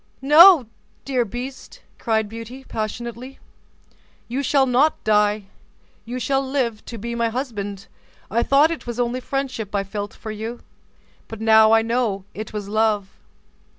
"No, dear beast," cried Beauty, passionately, "you shall not die; you shall live to be my husband. I thought it was only friendship I felt for you, but now I know it was love."